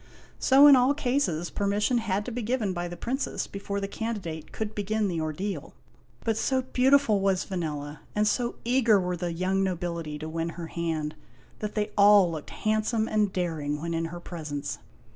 So in all cases, permission had to be given by the Princess before the can didate could begin the ordeal. But so beautiful was Vanella, and so eager were the young nobility to win her hand, that they all looked handsome and daring when in her presence.